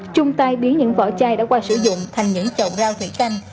chung tay biến những vỏ chai đã qua sử dụng thành những chậu rau thủy canh